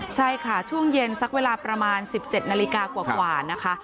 ใช่ค่ะช่วงเย็นสักเวลาประมาณ๑๗นาฬิกากว่านะคะ